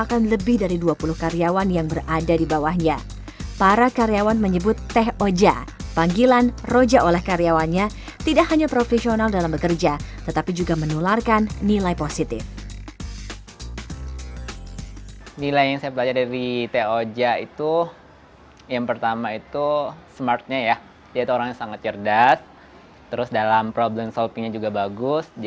kalau ketika itu saya malu aja gak akan ada ijazah positif sekarang